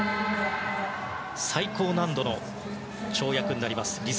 最高難度の跳躍になりますリ・